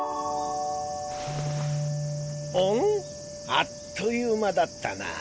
あっという間だったなァ。